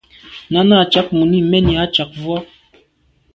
Náná à’ cǎk mùní mɛ́n ǐ á càk vwá.